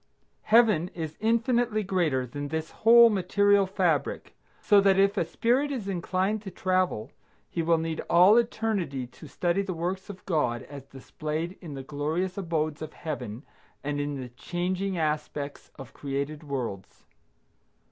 Heaven is infinitely greater than this whole material fabric, so that if a spirit is inclined to travel, he will need all eternity to study the works of God as displayed in the glorious abodes of Heaven and in the changing aspects of created worlds.